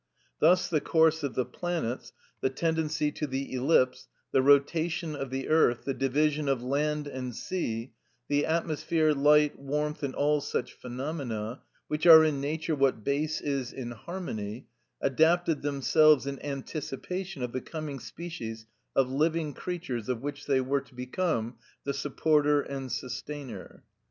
Thus the course of the planets, the tendency to the ellipse, the rotation of the earth, the division of land and sea, the atmosphere, light, warmth, and all such phenomena, which are in nature what bass is in harmony, adapted themselves in anticipation of the coming species of living creatures of which they were to become the supporter and sustainer.